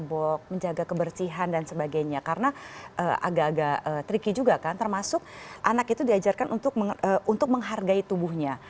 untuk menjaga kebersihan dan sebagainya karena agak agak tricky juga kan termasuk anak itu diajarkan untuk menghargai tubuhnya